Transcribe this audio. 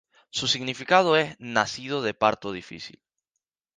Su significado es "nacido de parto difícil".